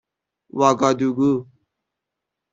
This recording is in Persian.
واگادوگو